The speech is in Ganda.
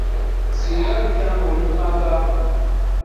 Singa lukya ng'oli mu maka go.